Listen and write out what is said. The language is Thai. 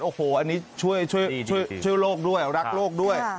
โอ้โหอันนี้ช่วยโลกด้วยรักโลกด้วย